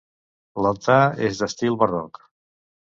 L'altar és d'estil barroc.